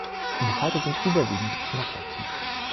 Die Falter sind überwiegend nachtaktiv.